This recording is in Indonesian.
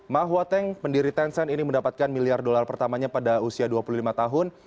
mahuateng pendiri tencent ini mendapatkan miliar dolar pertamanya pada usia dua puluh lima tahun